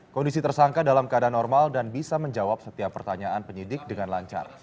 kondisi tersangka dalam keadaan normal dan bisa menjawab setiap pertanyaan penyidik dengan lancar